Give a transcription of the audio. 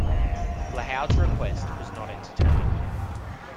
Lahoud's request was not entertained.